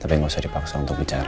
tapi gak usah dipaksa untuk bicara